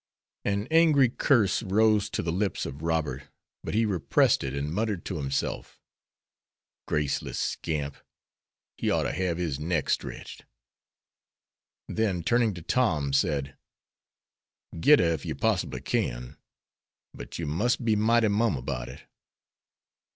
An angry curse rose to the lips of Robert, but he repressed it and muttered to himself, "Graceless scamp, he ought to have his neck stretched." Then turning to Tom, said: "Get her, if you possibly can, but you must be mighty mum about it."